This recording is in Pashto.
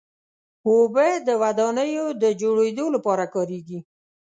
اوبه د ودانیو د جوړېدو لپاره کارېږي.